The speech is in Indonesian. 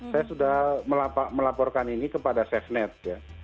saya sudah melaporkan ini kepada safenet ya